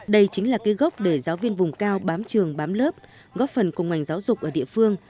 đây chính là cái gốc để giáo viên vùng cao bám trường bám lớp góp phần cùng ngành giáo dục ở địa phương